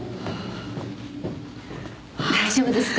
大丈夫ですか？